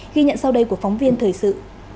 ghi nhận sau đây của phóng viên thời sự